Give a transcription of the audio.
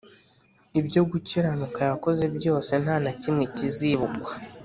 Ibyo gukiranuka yakoze byose nta na kimwe kizibukwa